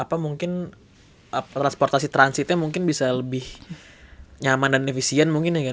apa mungkin transportasi transitnya mungkin bisa lebih nyaman dan efisien mungkin dengan